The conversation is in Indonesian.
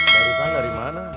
barusan dari mana